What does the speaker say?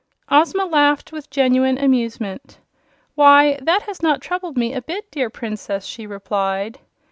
Ozma laughed with genuine amusement. "Why, that has not troubled me a bit, dear Princess," she replied.